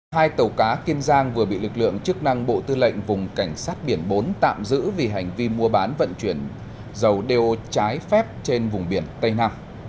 hai tàu cá kiên giang vừa bị lực lượng chức năng bộ tư lệnh vùng cảnh sát biển bốn tạm giữ vì hành vi mua bán vận chuyển dầu đeo trái phép trên vùng biển tây nam